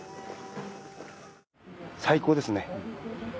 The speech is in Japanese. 最高ですね。